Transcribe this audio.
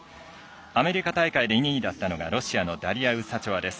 アメリカ大会で２位だったのがロシアのダリア・ウサチョワです。